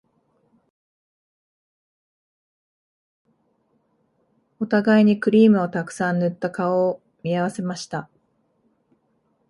お互いにクリームをたくさん塗った顔を見合わせました